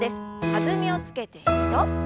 弾みをつけて２度。